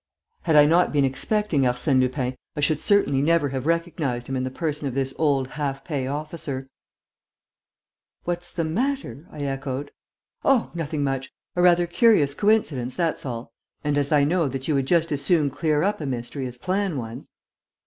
Had I not been expecting Arsène Lupin, I should certainly never have recognized him in the person of this old half pay officer: "What's the matter?" I echoed. "Oh, nothing much: a rather curious coincidence, that's all. And, as I know that you would just as soon clear up a mystery as plan one...."